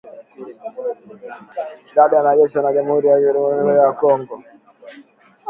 Idadi ya wanajeshi wa jamhuri ya kidemokrasia ya Kongo